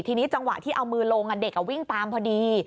ทีนี้จังหวะที่เอามือลงเด็กวิ่งตามพอดี